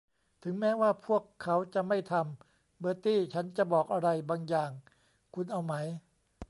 ถึงแม้ว่า พวกเขาจะไม่ทำ เบอร์ตี้ ฉันจะบอกอะไรบางอย่างคุณเอาไหม ?